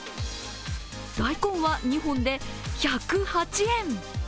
大根は２本で１０８円。